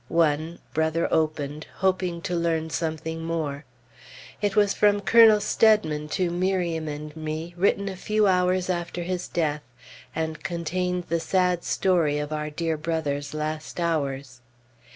One, Brother opened, hoping to learn something more. It was from Colonel Steadman to Miriam and me, written a few hours after his death, and contained the sad story of our dear brother's last hours.